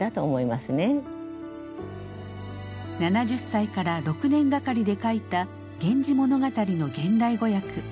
７０歳から６年がかりで書いた「源氏物語」の現代語訳。